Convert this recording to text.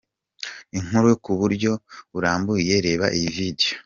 Inkuru ku buryo burambuye reba iyi video.